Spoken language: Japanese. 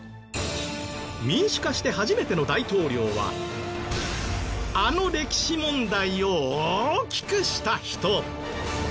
民主化して初めての大統領はあの歴史問題を大きくした人。